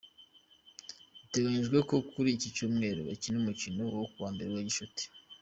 Biteganyijwe ko kuri iki Cyumweru bakina umukino wa mbere wa gicuti.